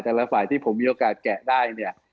แต่ละฝ่ายที่ผมมีโอกาสแกะได้เนี่ย